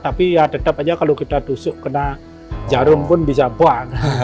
tapi ya tetap aja kalau kita tusuk kena jarum pun bisa buang